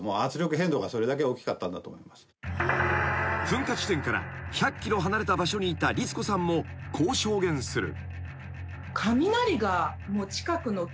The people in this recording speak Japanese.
［噴火地点から１００ｋｍ離れた場所にいた律子さんもこう証言する］